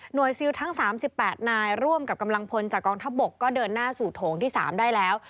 ซิลทั้ง๓๘นายร่วมกับกำลังพลจากกองทัพบกก็เดินหน้าสู่โถงที่๓ได้แล้ว